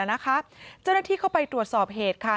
เจ้าหน้าที่เข้าไปตรวจสอบเหตุค่ะ